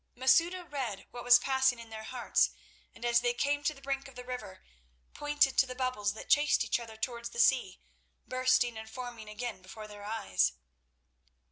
Masouda read what was passing in their hearts, and as they came to the brink of the river, pointed to the bubbles that chased each other towards the sea, bursting and forming again before their eyes.